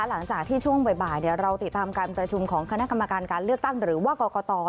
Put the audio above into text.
หลังจากที่ช่วงบ่ายเราติดตามการประชุมของคณะกรรมการการเลือกตั้งหรือว่ากรกต